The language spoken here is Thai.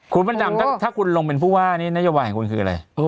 ขอเว้นดำถ้าคุณลงเป็นผู้ว่างนัยว่ากันคืออะไร